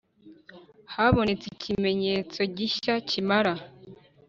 Habonetse ikimenyetso gishya kimara